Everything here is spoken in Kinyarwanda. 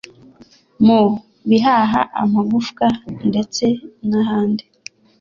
mu bihaha amagufwa ndetse nahandi